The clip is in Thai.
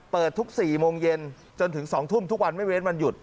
เปิดทุก๔โมงเย็นจนถึง๒ทุ่มทุกวันไม่เว้นวันหยุด